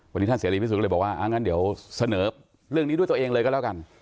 วันนี้ท่านเสรีพิสุทธิ์เลยบอกว่างั้นเดี๋ยวเสนอเรื่องนี้ด้วยตัวเองเลยก็แล้วกัน